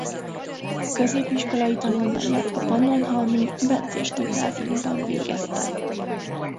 Középiskolai tanulmányát a Pannonhalmi Bencés Gimnáziumban végezte.